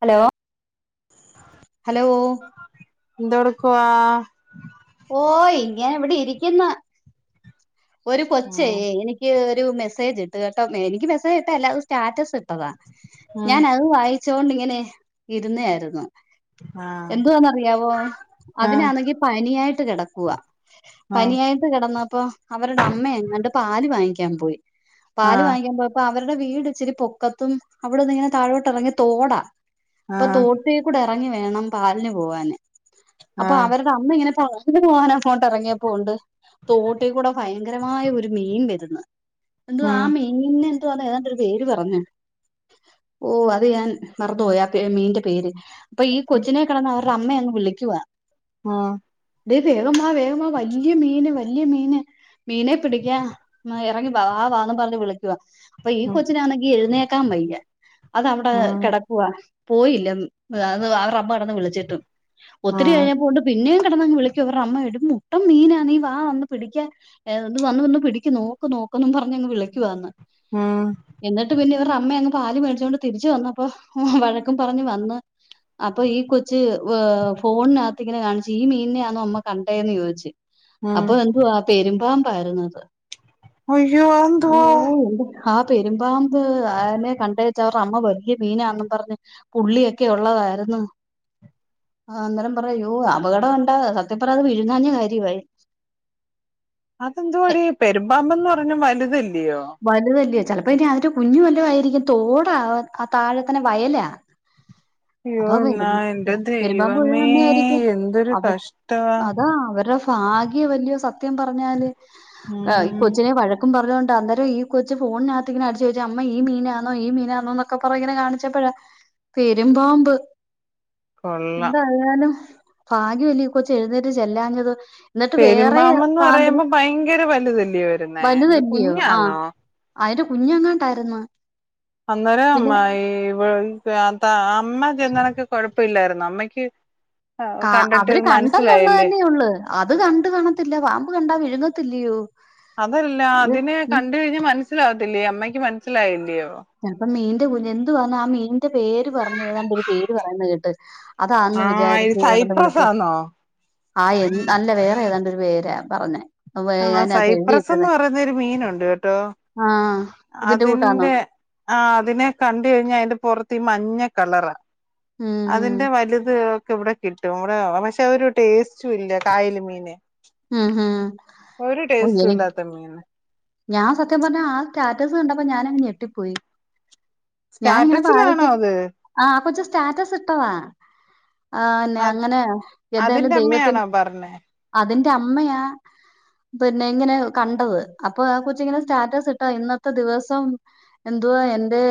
Hello hello എന്തോ എടുക്കുവാ ഓ ഇങ്ങനെ ഇവിടെ ഇരിക്കുന്ന് ഒരു കൊച്ചേ ഉം എനിക്ക് ഒരു മെസേജ് ഇട്ട് കേട്ടോ എനിക്ക് മെസേജ് ഇട്ട അല്ല അത് സ്റ്റാറ്റസ് ഇട്ടതാ ഉം ഞാനത് വായിച്ച് ച്ചോണ്ടിങ്ങനെ ഇരുന്ന ആയിരുന്നു ആഹ് എന്തുവാന്നറിയാവോ ആഹ് അതിനാന്നെങ്കി പനിയായിട്ട് കിടക്കുവാ ആഹ് പനിയായിട്ട് കിടന്നപ്പം അമ്മയങ്ങാണ്ട് പാല് വാങ്ങിക്കാൻ പോയി പാല് ആഹ് വാങ്ങിക്കാൻ പോയപ്പം അവര് അവരുടെ വീട് ഇച്ചിരി പൊക്കത്തും അവിടുന്ന് ഇങ്ങനെ താഴോട്ട് ഇറങ്ങി തോടാ അപ്പം ആഹ് തോട്ടീക്കുടെ എ എറങ്ങി വേണം പാൽന് പോവാന് അപ്പം ആഹ് അവരുടെ അമ്മ ഇങ്ങനെ പാലിന് പോവാനോ അങ്ങാട്ടെറങ്ങിയപ്പം ഒണ്ട് തോട് ഭയങ്കരമായ ഒരു മീൻ വരുന്ന് എന്തുവാ ആ ഉം മീന്ന് എന്തുവാന്നോ ഏതാണ്ട് ഒരു പേര് പറഞ്ഞ് ഓ അത് ഞാൻ മറന്നുപോയി ആ പെ ആ മീന്റെ പേര് അപ്പം ഈ കൊച്ചിനെ കെടന്ന് അവർടെ അമ്മയങ്ങ് വിളിക്കുവാ ആഹ് തേ വേഗം വാ വേഗം വാ വല്ല്യ മീന് വല്ല്യ മീന് മീനെ പിടിക്കാൻ എറങ്ങി ബാ വാ വാന്നും പറഞ്ഞ് വിളിക്കുവാ അപ്പം ഈ ഉം കൊച്ചിനാന്നെങ്കി എഴുന്നേക്കാൻ വയ്യ അത് അവിടെ ഉം കെടക്കുവാ പോയില്ല അത് അവർട അമ്മ കെടന്ന് വിളിച്ചിട്ടും ഒത്തിരി ഉം കഴിഞ്ഞപ്പോ ഒണ്ട് പിന്നേം കെടന്നങ് വിളിക്കുവാ ഇവർട അമ്മ എടി മുട്ടൻ മീനാ നീ വാ വന്ന് പിടിക്കാൻ ഇത് വന്ന്, വന്ന് പിടിക്ക് നോക്ക്, നോക്കെ ന്നും പറഞ്ഞങ് വിളിക്കുവാന്ന്. ആഹ. വ്റെ അമ്മ യങ്ങ് പാല് മേടിച്ചോണ്ട് തിരിച്ചു വന്നപ്പോ ഉഹും വഴക്കും പറഞ്ഞ് വന്ന് അപ്പൊ ഈ കൊച്ച് വ്വേ ഫോണിനകത്തിങ്ങനെ കാണിച്ച് ഈ മീനിനെയാന്നോ അമ്മ കണ്ടേന്ന് ചോദിച്. ഉം അപ്പൊ എന്തുവാ പെരുമ്പാമ്പായിരുന്നത്. അയ്യോ! അന്തുവാ? ആ പെരുമ്പാമ്പ് അയിനെ കണ്ടേച്ച് അവറ്ടെ അമ്മ വലിയ മീനാന്നും പറഞ്ഞ് പുള്ളിയൊക്കെ ഉള്ളതാണ് ആര്ന്നു. ആ അന്നേരം പറയാ യ്യോ അപകടോണ്ട് സത്യം പറയഅത് വിഴുങ്ങാഞ്ഞെ കാര്യവായി. അതെന്തുവാടി പെരുമ്പാമ്പേന്ന് പറഞ്ഞ വലുതല്ലെ വലുതല്യെ? ചെലപ്പോ ഇനി അതിന്റെ കുഞ്ഞ് വല്ലോം ആയിരിക്കും തോടാ ആ താഴെ തന്നെ വയലാ അയ്യോ അപ്പൊ എന്നാ പെരും എന്റെ പെരുമ്പാമ്പു ദൈവമേ വിഴ്ങ്ങുന്നെ‌യാരിക്കും എന്തൊരു അവര് കഷ്ടവാ അതാ അവരു ഫാഗ്യ വല്ലിയോ സത്യം പറഞ്ഞാല് ഏഹ് ഈ ഉം കൊച്ചിനെ വഴക്കും പറഞ്ഞൊണ്ട് ഈ കൊച്ച് ഫോണിനകത്തിങ്ങനെ അടിച്ച് ചോയ്ച്ച് അമ്മ ഈ മീനാണോ, ഈ മീനാണോന്നൊക്കെ പറഞ്ഞി ങ്ങനെ കാണിച്ചപ്പഴാ പെരും പാമ്പ്. കൊള്ളാം എന്തായാലും ഭാഗ്യം ല്ലെ ഈ കൊച്ച് എഴുന്നേറ്റ് ചെല്ലാഞ്ഞത്. എന്നിട്ട് വേറെ പെരുംമ്പാമ്പെന്ന് പാമ്പിന് പറയുമ്പോ ഭയങ്കര വലുതല്ലിയോ, വരുന്നേ ഇത് കുഞ്ഞാന്നോ? അയിന്റെ കുഞ്ഞെങ്ങാട്ടായിരുന്നു. അന്നേരം ഈ അമ്മ ചന്തനക്ക് കൊഴപ്പ ഇില്ലായിരുന്നു. നമ്മയ്ക്ക് കാ അവര് കണ്ടെന്നുള്ളത്തന്നെയൊള്ള്, അത് കണ്ട് കാണത്തില്ല പാമ്പ് കണ്ടാ വിഴുങ്ങത്തി ല്ലിയോ? അതല്ല. അതിനെ കണ്ട്‌ കഴിഞ് മനസ്സിലാവത്തില്ലേ അമ്മക്ക് മനസ്സിലായില്ലയോ? ചെലപ്പം മീന്റെ കുഞ്ഞ എന്തുവാന്ന ആ മീന്റെ പേര് പറഞ്ഞ, ഏതാണ്ട് ഒരു പേര് പറന്ന കേട്ട് അതാ ആഹ. സൈപ്രസാന്നോ? ആ എ അല്ല. വേറെ ഏതാണ്ടൊരു പേരാ പറഞ്ഞെ ആസൈപ്രസ് എന്ന് പറയുന്നൊരു മീനുണ്ട് കേട്ടോ? ആഹ് ഇതിന്റെ കൂട്ടാന്നോ അതിന്റെ ആ അതിനെ കണ്ട്‌ കഴിഞ്ഞാ അതിന്റെ പൊറത്ത് ഈ മഞ്ഞ കളറാ. ഉം ഉം അതിന്റെ വലുത് ഒക്കെ ഇവിടെ കിട്ടും വിടെ പക്ഷെ ഒരു ടേസ്റ്റും ഇല്ല കായല് മീന്. ഹം, ഹും ഒരു ടേസ്റ്റും ഇല്ലാത്ത [unintelligible] മീന് ഞാ സത്യം പറഞാ സ്റ്റാറ്റസ് കണ്ടപ്പോ ഞാനങ് ഞെട്ടി പ്പോയി. ഞാനി ങ്ങനെ പായിച്ച സ്റ്റാറ്റസിലാണോ അത് ആ അകൊച്ച് സ്റ്റാറ്റസ് ഇട്ടതാ. ആന്നെ അങ്ങനെയാ ഏതയാലും അതിന്റെ ദൈവത്തിൽ അമ്മയാണോ പറഞ്ഞേ അതിന്റെ അമ്മയാ പിന്നെ ഇങ്ങനെ കണ്ടത് അപ്പൊ ആ കൊച്ചി ങ്ങനെ സ്റ്റാറ്റസ് ഇട്ടാ ഇന്നത്തെ ദിവസം എന്തുവാ എൻന്റെ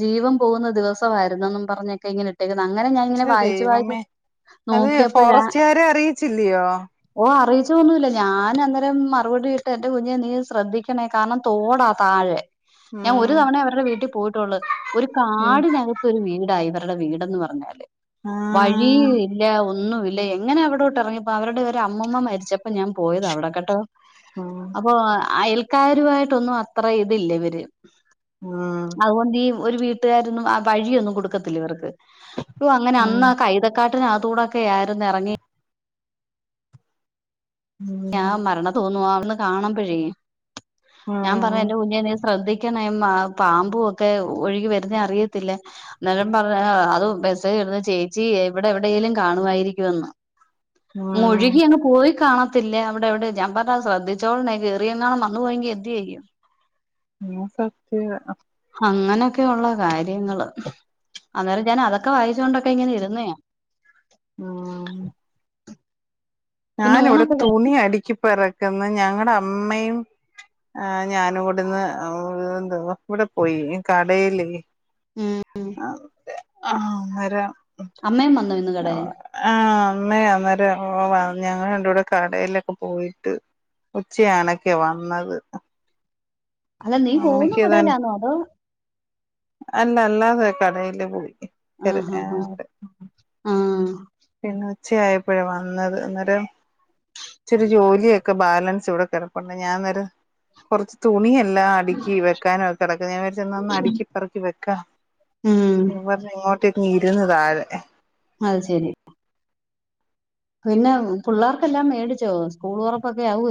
ജീവം പോകുന്ന ദിവസമായിരുനെന്നും പറഞ്ഞൊക്കെ ഇങ്ങനെ ഇട്ടേ അങ്ങനെ ഞാൻ ഇങ്ങനെ പക്ഷെ വായിച്ച, വായിച്ച് ദൈവമേ അത് നോക്കിയപ്പോഴാ ഫോറസ്റ്റുകാരെ അറിയിച്ചില്ലയോ ഓ അറിയിച്ചൊന്നുമില്ല ഞാൻ അന്നേരം മറുപടി വിട്ട്. എന്റെ കുഞ്ഞെ നീ ശ്രദ്ധിക്കണേ കാരണം തോടാ താഴെ ഞാൻ ഉം ഒരു തവണെ അവരുടെ വീട്ടിൽ പോയിട്ടൊള്ള്. ഒരു ഉം കാടിനകത്ത് ഒരു വീടായിവര്ടെ. വീടെന്ന് പറഞ്ഞാല് വഴിയും സത്യ ഇല്ല ഒന്നും ഇല്ല എങ്ങനെ അവിടോട്ട് ഇറങ്ങിപ്പോ, അവരുടെ ഒരു അമ്മമ്മ മരിച്ചപ്പോ ഞാൻ പോയത അവിടെക്കട്ടോ? അപ്പൊ അയൽക്കാരുമായിട്ടൊന്നും അത്ര ഇതില്ല ഇവര്. അതുകൊണ്ട് ഈ ഒരു വീട്ടുകാരൊന്നും ആ വഴിയൊന്നും കൊടുക്കത്തില്ല ഇവർക്ക്. യോ അങ്ങനെ അന്ന കൈതക്കാട്ടിനക ത്തൂടൊക്കെ ആരുന്നു ഇറങ്ങി ഞാൻ മരണ തോന്നുവാ അവിന്ന് കാണുമ്പഴേ ഞാൻ പറഞ്ഞു എന്റെ കുഞ്ഞെ നീ ശ്രദ്ധിക്കണെ പാമ്പും ഒക്കെ ഒഴുകി വരുന്നെ അറിയത്തില്ല അരം പറഞ്ഞ അത് മെസേജ് ചേച്ചി വിടെ എവിടെലും കാണുായിരിക്കുവെന്ന്. മുഴുകി അങ്ങ് പോയി കാണും ത്തില്ല അവിടെ എവിടെ ഞാൻ പറഞ് അത് ശ്രദ്ധിച്ചോളണെ, കേറിയെങ്ങാണും വന്നു പോയെങ്കി എന്ത് ചെയ്യും. ആ സത്യവാ. അങ്ങനെയൊക്കെയള്ള കാര്യങ്ങള് അന്നേരം ഞാൻ അതൊക്കെ വായിച്ചുക കൊണ്ടൊക്കെ ഇങ്ങനെ ഇരുന്നതാ ഉം പിന്നെ ഞാനിവിടെ ഊണൊക്കെ കഴി തുണി അടുക്കിപ്പറക്കുന്ന ഞങ്ങളുടെ അമ്മയും ആ ഞാന ഇവിടെന്ന് എന്തോ ഇവിടെ പോയി കടൽേ ഉം അ തെ ആ ന്നേരാ അമ്മയും വന്നു ഇന്ന് കെട അ ആഹ അമ്മേ അന്നേര ഓ ഞങ്ങ ഞങ്ങൾ രണ്ടുടെ കൂടെ കടയിലൊക്കെ പോയിട്ട് ഉച്ചയണൊക്കെ വന്നത് അതാ നീ പോകുന്ന അമ്മയ്ക്ക് ഇതാ കടയിലാന്നോ അതോ അല്ല അല്ലാതെ കടയില് പോയി ആഹ് ആഹ് [unintelligible] ആഹ് ആഹ് പിന്നെ ഉച്ചയപ്പോഴേ വന്നത് അന്നേരം ഇചിരി ജോലിയൊക്കെ ബാലൻസ് ഇവിടെ കിടപ്പണ്ട് ഞാ നേരെ കുറച്ച് തുണിയല്ല എല്ല അടുക്കി വെക്കാനും ഒക്കെ കടക്ക ഞാൻ വന്ന് അടുക്കിപ്പറക്കി വെക്കാം ഉം ഇവർന്ന് ഇങ്ങോട്ടേക്ക് ഇരുന്നതാരെ ആ ശരി പിന്നെ പിള്ളേർക്കെല്ലാം മേടിച്ചോ സ്കൂൾ ഉറപ്പൊക്കെ ആവ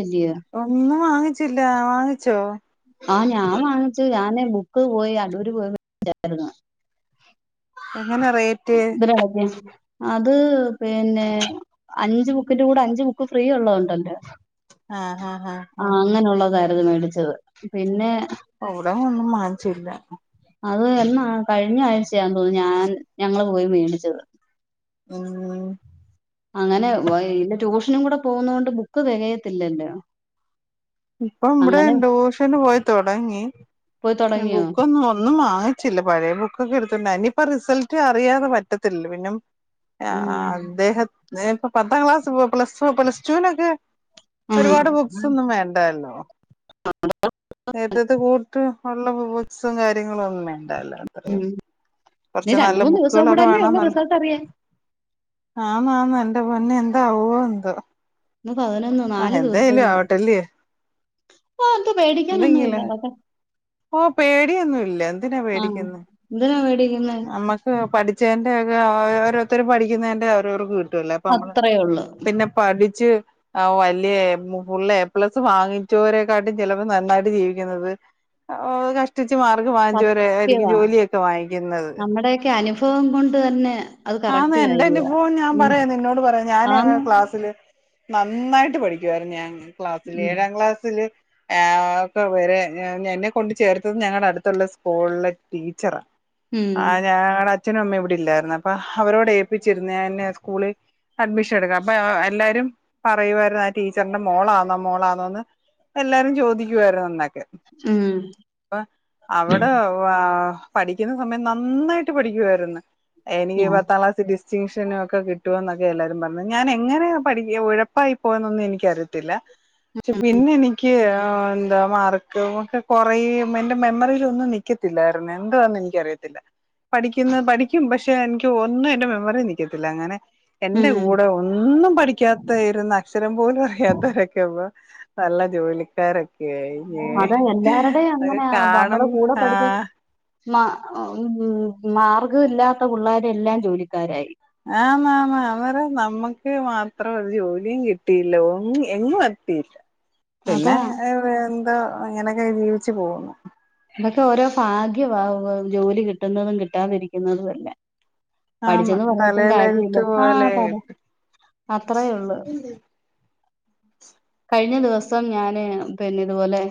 ഒന്നും വാങ്ങിച്ചില്ല വാങ്ങിച്ചോ ആഹ ഞാൻ വാങ്ങിച്ചു ഞാന് ബുക്ക് പോയി അടൂര് പോയിായിരുന്നു എങ്ങനെ റേറ്റ് അത് പിന്നെ അഞ്ചു ബുക്കിന്റെ കൂടെ അഞ്ച് ബുക്ക് ഫ്രീ ഉള്ളത്ണ്ടന്റെ ആഹ് ആഹആ ത് മേടിച്ചത് പിന്നെ ഓവിട ഒന്നും മങ്ങിച്ചില്ല അത് എന്നാ കഴിഞ്ഞ ആഴ്ചയാ തോന്നി ഞാൻ ഞങ്ങങ്ങള്ൾ പോയി മേണ്ടിച്ചത് ഉ അങ്ങനെ ഇന്റെ ട്യൂഷനും കൂടെ പോകുന്ന കൊണ്ട് ബുക്ക് തികയത്തില്ലല്ലേ ഇപ്പൊ ഇവിടെ ഡൂഷന് പോയി തുടങ്ങി പോയി തുടങ്ങിയോ ബുക്കൊന്നും ഒന്നും വാങ്ങിച്ചില്ല പഴയ ബുക്കൊക്കെ എടുത്തിണ്ട് അനി അപ്പൊ റിസൾട്ട് അറിയാതെ പറ്റത്തില്ല പിന്നെ ഉം അദ്ദേഹ ഞാന ഇപ്പോ പത്താം ക്ലാസ് പോ പ്ലസ് പ്ലസ് ടുവിനൊക്കെ ഉം ഒരുപാട് ബുക്സ് ഒന്നും വേണ്ട ല്ലോ ആ നേരത്തത്തെ കൂട്ട് ഉള്ളസും കാര്യങ്ങളും ഒന്നും വേണ്ടല്ലോ അത്രയും ന കുറച്ച് രണ്ട നല്ല മൂന്ന് ദിവസവും ബുക്കുകളൊക്കെ കൂടെല്ലേ വേണം ഉള്ള റിസൾട്ട് അറിയേ ആ ന്നാ ന്ന് എൻന്റെ മൊുന്നെ എന്താാവോ എന്തോ ഒന്ന് പതിനൊന്ന് ആ നാാലു ദിവസവും എന്തായാലും കൂടെ ആവട്ടല്ലേ ആ അത് പേടിക്കാനൊന്നും ഇല്ല എന്തെങ്കിലും അതെ ഓ പേടിയൊന്നുംല്ല എന്തിനാ ആ പേടിക്കന്ന് എന്തിനാ പേടിക്കുന്നത് നമ്മക്ക് പടി ചെന്റെ ഓരോരുര പഠിക്കുന്ന എന്റെറെ ഓരോരുക്ക് കീട്ട- ല്ല അപ്പൊ നമ്മളണ്ട് അത്രേ ഉള്ളു പിന്നെ പഠിച്ച് ആ വലിയ ഫുള്ള് എ പ്ലസ് വാങ്ങിച്ചവരെക്കാട്ടും ചിലപ്പോ നന്നായിട്ട് ജീവിക്കുന്നത് ഓ കഷ്ടിച്ച് മാർഗം വാങ്ങിച്ചവരെ ആയിരിക്കും സത്യവാ ജോലിയൊക്കെ വാങ്ങിക്കുന്നത് ഇഭവം കൊണ്ട് തന്നെ അത് ആഹ എന്നാ കറക്റ്റ് എൻന്റെറെ കാര്യമാണ് അനുഭവം ഞാൻ ഉം പറയാന്ന് നിന്നോട് പറയാ ഞാന ആന്ന് ക്ലാസ്സില് നന്നായിട്ട് പഠിക്കുായിരുന്നു ഞാൻ ക്ലാസ്സിില് ഉം ഏഴാം ക്ലാസ്സിില് ഒക്കെ വറെ എന്നെ കൊണ്ട് ചേർത്തത് ഞങ്ങളുടെ അടുത്തുള്ള സ്കൂളിലെ ടീച്ചറാ ഉം ആഹ് ഞുടെ അച്ഛനും അമ്മ ഇവിടെ ഇല്ലായിരുന്നു അപ്പൊ അവരോട് ഏൽപ്പിച്ചിര് ന്ന്സ്കൂളി അഡ്മിഷൻ എടുക്കാം അപ്പൊ എല്ലാരും പറയുവമായിരുന്നു ആ ടീച്ചറിന്റെ മോളാന്നോ മോളാന്നോന്ന് എല്ലാരും ചോദിക്കുവരന്നൊക്കെ ഉം അപ്പൊ അവിടെ വാ പഠിക്കുന്ന സമയം നന്നായിട്ട് പഠിക്കുായിരുന്നു എനിക്ക് ഞാൻ പത്താം ക്ലാസ്സി ഡി ഡറ്റിൻഷനും ഒക്കെ കിട്ടുമ എന്നൊക്കെ എല്ലാരും പറഞ്ഞു ഞാൻ എങ്ങനെ പഠ ഉഴപ്പായി പോയന്നൊന്നും എനിക്ക അറിയത്തില്ല പിന്നെ എനിക്ക് എന്താ മാർക്ക് ഒക്കെ കൊറയും എന്റെ മെമ്മറിയിൽ ഒന്നും നിക്കത്തില്ലായിരുന്നെ എന്തുവാന്ന് എനിക്കറിയത്തില്ല പഠിക്കുന്ന പഠിക്കും പക്ഷെ എനിക്ക് ഒന്നും എന്റെ മെമ്മറി നിൽക്കത്തില്ല അങ്ങനെ എന്റെ ഉം കൂടെ ഒന്നും പഠിക്കാത്ത ഇരുന്ന അക്ഷരം പോലും അറിയാത്തവരൊക്കെ നല്ല ജോലിക്കാരൊ കഴിഞ്ഞേ അത് എല്ലാവരുടെയും അത് അങ്ങനെ കാണും ആ ഉം മാർഗം ഇല്ലാത്ത പുള്ളേര് എല്ലാം ജോലിക്കാരായി ആ ന്ന് ആ ന്ന് അവര് നമ്മക്ക് മാത്രം ഒരു ജോലിയും കിട്ടിയില്ല എങ്ങും എ അതാ പിന്നെ എന്തോ ഇങ്ങനെയൊക്കെ ജീവിച്ചു പോകുന്നു ഇതൊക്കെ ഓരോ ഭാഗ്യമാ ജോലി കിട്ടുന്നതും കിട്ടാതിരിക്കുന്നതും അല്ല ആന്ന് പഠിച്ചെന്ന് പറഞ്ഞിട്ടും കാര്യമില്ല തലയിലെഴുത്ത് ആ പോലെ പറ അത്രേ ഒള്ളു കഴിഞ്ഞ ദിവസം ഞാന് പിന്നെ ഇതുപോലെ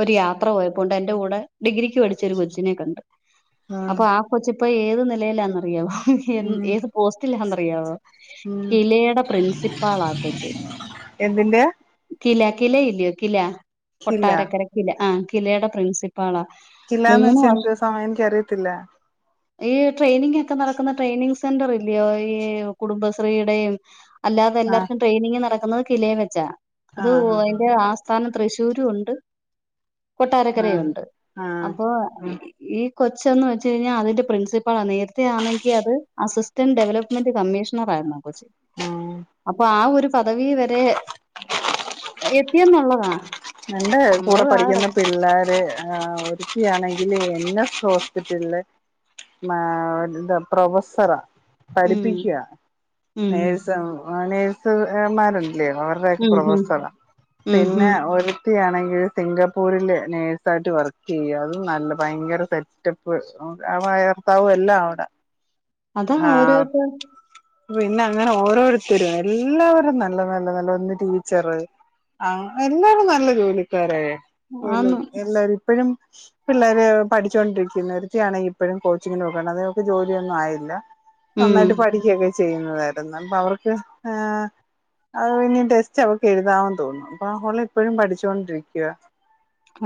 ഒരു യാത്ര പോയപ്പോണ്ട് എന്റെ കൂടെ ഡിഗ്രിക്ക് പഠിച്ച ഒരു കൊച്ചിനെ കണ്ട് ഉം അപ്പൊ ആ കൊച്ചിപ്പോ ഏത് നിലയിലാന്നറിയാവോ ഉം ഏത് പോസ്റ്റിലാ എന്ന് അറിയാവോ ഉം കിലെ യുടെ പ്രിൻസിപ്പാളാ ആ കൊച്ച് എന്തിന്റെയാ കില കില ഇല്ലയോ കില കില കൊട്ടാരക്കര കില ആ കിലയുടെ പ്രിൻസി കിലാന്ന് വച്ച എന്ത് സമയം എനിക്കറിയത്തില്ല ഈ ട്രെയിനിങ് ഒക്കെ നടക്കുന്ന ട്രെയിനിങ് സ് സെന്റർ ഇല്ലയോ ഈ കുടുംബശ്രീ യുടെയും അല്ലാതെ ആ എല്ലാർക്കും ട്രെയിനിങ്ങ് നട അത് കിലയം വെച്ചാ അത് ആഹ് ഹ അതിന്റെ ആസ്ഥാനം തൃശ്ശൂരും ഉണ്ട് ഹ ആഹ് കൊട്ടാരക്കരയുണ്ട് ആഹ് അപ്പോ ഈ കൊച്ചന്ന് വെച്ച് കഴിഞ്ഞാൽ അതിന്റെ പ്രിൻസിപ്പാളാ നേരത്തെ ആണെങ്കിൽ അത് അസിസ്റ്റന്റ് ഡെവലപ്മെന്റ് കമ്മീഷണർ ആയിരുന്നു കൊച്ചി ഉം അപ്പൊ ആ ഒരു പദവി വരെ എത്തിയെന്നുള്ളതാണ് എന്റെ കൂടെ പഠിക്കുന്ന പിള്ളാര് ആ ഒരുത്തി ആണെങ്കില് എൻ എസ് ഹോസ്പിറ്റലില് മാ പ്രൊഫസറാ ഉം പഠിപ്പിക്കുക ഉം നേഴസ നേഴസ്മാരുണ്ട് അവരുടെ ഒക്കെ ഉം ഉം പ്രഫസറ ഉം പിന്നെ ഉം ഒരു ആണെങ്കിൽ സിംഗപ്പൂരിൽ നേഴ്സായിട്ട് വർക്ക് ചെയ്യുക അതും നല്ല ഭയങ്കര സെറ്റപ്പ് ആ ബർത്താവും എല്ലാം അവിടെ അതാ ആഹ് ഓരോര്ത്ത പിന്നെ അങ്ങനെ ഓരോരുത്തരും എല്ലാവരും നല്ല നല്ല നല്ല ഒന്ന് ടീച്ചറ് ആ എല്ലാരും നല്ല ജോലിക്കാരായേ ആന്ന് എല്ലാരും ഇപ്പോഴും പിള്ളേര് പഠിച്ചൊണ്ടിരിക്കുന്ന് ഒര്ത്തിയാണെങ്കി ഇപ്പോഴും കോച്ചിങ്ങിന് പോകാണ് അതൊക്കെ ജോലിയൊന്നും ആയില്ല ഉം നന്നായിട്ട് പഠിക്കുകയൊക്കെ ചെയ്യുന്നതായിരുന്നു അപ്പൊ അവർക്ക് ഏ അത് പിന്ന ടെസ്റ്റ് അവക്ക് എഴുതാൻ തോന്നും അപ്പ ഓള് ഇപ്പോഴും പഠിച്ചു ചോണ്ടിരിക്ക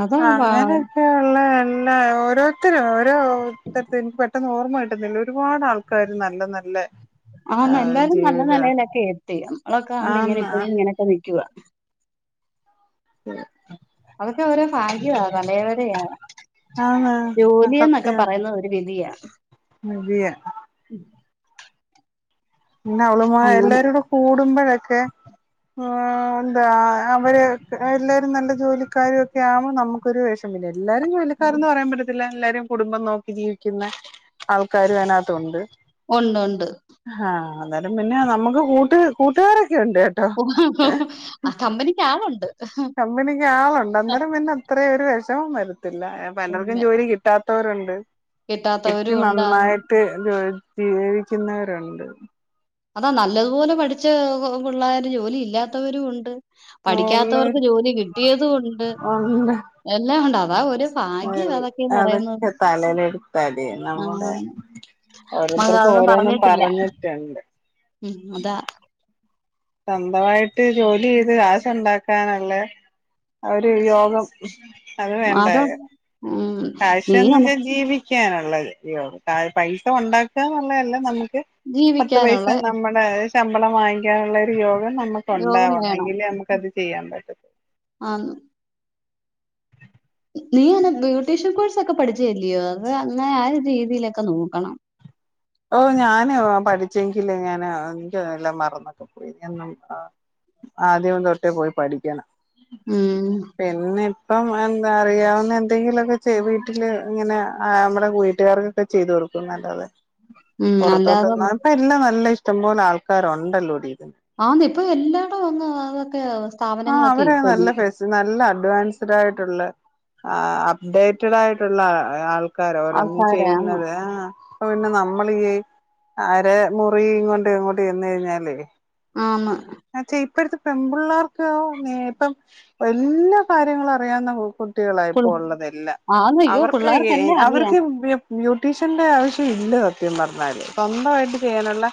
അതാ വാ- അങ്ങനൊക്കെള്ള എല്ലാ ഓരോരുത്തരോ ഓർത്തട്ത് എനിക്ക് പെട്ടെന്ന് ഓർമ്മ കിട്ടുന്നില്ല ഒരുപാട് ആൾക്കാര് നല്ല നല്ല ആ ആഹ് എല്ലാവരും നല്ല ജീവിത നിലയിലൊക്കെ എത്തി നമ്മളൊക്കെ കണ്ട് ഇങ്ങനെ ആന്ന് ഇപ്പോഴും ഇങ്ങനെയൊക്കെ നിൽക്കുവ അതൊക്കെ ഓരോ ഭാഗ്യവാ തലേ വരെയാണ് ആന്ന് ജോലി എന്നൊക്കെ പറയുന്നത് ഒരു വിധിയാ അതെ യാ പിന്നെ അവള് മാര് അങ്ങനെ എല്ലാരും കൂടെ കൂടുമ്പോഴൊക്കെ ആ എന്താ അവർ എല്ലാവരും നല്ല ജോലിക്കാരും ഒക്കെ ആമ്പോൾ നമുക്കൊരു വെഷമം ഇല്ലേ എല്ലാരും ജോലിക്കാരന്ന് പറയാൻ പറ്റത്തില്ല എല്ലാരും കുടുംബം നോക്കി ജീവിക്കുന്ന ആൾക്കാരും അതിനകത്തുണ്ട് ഉണ്ട് ഉണ്ട് ആ അതാലും പിന്നെ നമുക്ക് കൂട്ട് കൂട്ടുകാര കേട്ടോ ആ കമ്പനിക്ക് ആളുണ്ട് കമ്പനിക്ക് ആളുണ്ട് അത്രേം അന്നേം പിന്നെ വിഷമം വരത്തില്ല അപ്പൊ പിന്നെ പലർക്കും ജോലി കിട്ടാത്തവരുണ്ട് പറ്റി കിട്ടാത്തവരും ഉണ്ടാന്ന്. നന്നായിട്ട് ജോലി ജീവിക്കുന്നവരുണ്ട് അതാ നല്ലതുപോലെ പഠിച്ച പിള്ളേർ ജോലി ഇല്ലാത്തവരും ഉണ്ട് പഠിക്കാത്തവർക്ക് ഉള്ളവര് ജോലി കിട്ടിയതും ഉണ്ട് ഉണ്ട് എല്ലാം ഉണ്ട് അതാ ഒരു- ഭാഗ്യം അതൊക്കെന്ന് പറയുന്നത്. അതൊക്കെ തലേൽ എഴുത്താടി നമ്മുടെ ആഹ് മകൾ ഓരോരുത്തർക്കും അതൊന്നും ഓരോന്നും പറഞ്ഞിട്ടില്ല. പറഞ്ഞിട്ടുണ്ട് ഉം അതാ സ്വന്തമായിട്ട് ജോലി ചെയ്ത് കാശ് ഉണ്ടാക്കാനല്ലേ ആ ഒരു യോഗം അത് വേണ്ട ഉം നീ കാശന്ന് അന- വെച്ചാൽ ജീവിക്ക ക്കാനുള്ളത് പൈസ ഉണ്ടാക്കുക എന്നുള്ളതല്ല നമുക്ക് പത്ത് പൈസ ജീവിക്കാനുള്ള നമ്മുടെ ശമ്പളം വാങ്ങിക്കാനുള്ള ഒരു യോഗം നമുക്ക് യോഗം ഉണ്ടാവണം വേണം. എങ്കില് നമുക്ക്ത് ചെയ്യാൻ പറ്റത്ത ആഹ് നീ അനെ ബ്യൂട്ടീഷൻ കോഴ്സ് ഒക്കെ പഠിച്ചല്ലയോ അത് അങ്ങനെ ആ രീതിയിലൊക്കെ നോക്കണം ഓ ഞാന് പഠിച്ചെങ്കില് ഞാന് എനിക്ക് എല്ലാം മറന്നൊക്കെ പോയി ന്ന് ആ ആദ്യം തൊട്ടേ പോയി പഠിക്കാന ഉം ഇപ്പം എന്താ അറിയാവുന്ന എന്തെങ്കിലുംക്കെ വീട്ടില് ഇങ്ങനെ നമ്മടെ വീട്ടുകാർക്കൊക്കെ ചെയ്തു നല്ലാതെ ഉം അല്ലാതെ പുറത്തോട്ട്ന്ന ഇപ്പ എല്ലാം നല്ല ഇഷ്ടം പോോലെ ആൾക്കാരുണ്ടല്ലോടി ഇതിന് ആ ഇപ്പ എല്ലാടും വന്ന് അതൊക്കെ ആ സ്ഥാപനങ്ങളൊക്കെ ഇ- ഡേറ്റ ഡായിട്ടുള്ള അപ്ഡേറ്റ ആയിട്ട്ടുള്ള ആൾ കാര ഒരോന്നും ചെയ്യുന്ന ആൾക്കാരാന്ന് ആ അപ്പൊ പിന്നെ നമ്മളീ ആര മുറി കൊണ്ട് അ ങ്ങോട്ട് ചെന്ന് കഴിഞ്ഞാലേ ആന്ന്. പച്ചേ ഇപ്പറത്തെ പെപള്ളേർക്ക് ന ഇപ്പം വല്ലാ കാര്യങ്ങള അറിയാവുന്ന കു കൂ കുട്ടികളായിപ്പോ ഉള്ളതെല്ല ആന്ന് അയ്യോ അവർക്ക് എ എ പിള്ളേർക്കെല്ലാം അറിയാം അവർക്ക് ബ്യൂട്ടീഷ്യന്റെ ആവശ്യം ഇല്ല സത്യം പറഞ്ഞാല് സ്വന്തമായിട്ട് ചെയ്യാനുള്ള-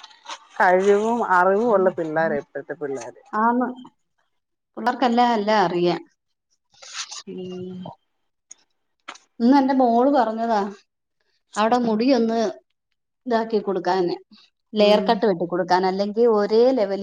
കഴിവും അറിവും ഉള്ള പിള്ളോര ഇപ്പോഴത്തെ പിള്ളോര് ല്ല അല്ല അറിയാ ഉം ഇന്ന് എന്റെ മോള് പറഞ്ഞതാ അവിടെ മുടി ഒന്ന് ഇതാക്കി കൊടുക്കാന് ലെയർ ഉം കട്ട് വെട്ടി കൊടുക്കാൻ അല്ലെങ്കിൽ ഒരേ ലെവല